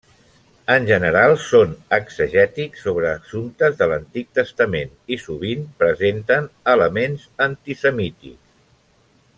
En general són exegètics, sobre assumptes de l'Antic Testament i sovint presenten elements antisemítics.